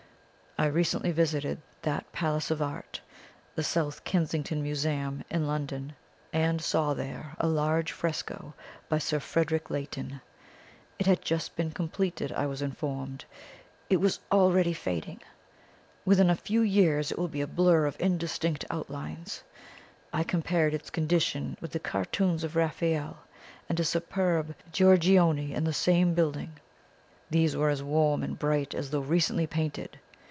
I recently visited that Palace of Art, the South Kensington Museum, in London, and saw there a large fresco by Sir Frederick Leighton. It had just been completed, I was informed. It was already fading! Within a few years it will be a blur of indistinct outlines. I compared its condition with the cartoons of Raphael, and a superb Giorgione in the same building; these were as warm and bright as though recently painted.